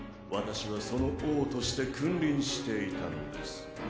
私はその王として君臨していたのです。